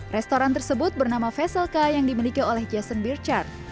restoran tersebut bernama vesselka yang dimiliki oleh jason birchard